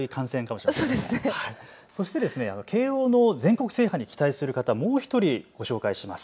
そして慶応の全国制覇に期待する方、もう１人ご紹介します。